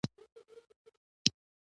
تاسې ته هدایت درکول کیږي.